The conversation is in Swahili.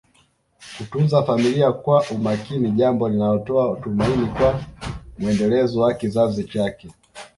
Kutunza familia kwa umakini jambo linatoa tumaini kwa mwendelezo wa kizazi chake